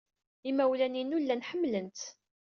Imawlan-inu llan ḥemmlen-tt.